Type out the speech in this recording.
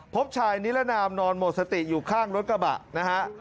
พบชายนิรนามนอนหมดสติอยู่ข้างรถกระบะนะฮะ